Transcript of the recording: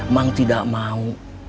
bang tidak mau